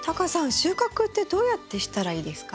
収穫ってどうやってしたらいいですか？